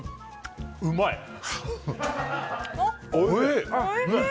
うまい。